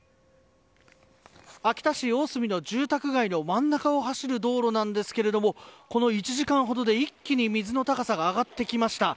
秋田市大隅の住宅街の真ん中を走る道路なんですけどこの１時間ほどで一気に水の高さが上がってきました。